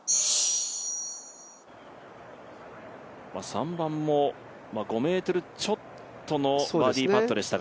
３番も５ｍちょっとのバーディーパットでしたが。